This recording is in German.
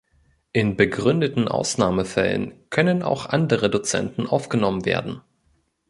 In begründeten Ausnahmefällen können auch andere Dozenten aufgenommen werden.